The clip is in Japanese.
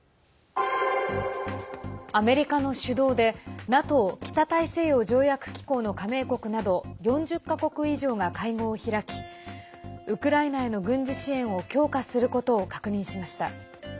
アメリカの主導でＮＡＴＯ＝北大西洋条約機構の加盟国など４０か国以上が会合を開きウクライナへの軍事支援を強化することを確認しました。